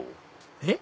えっ？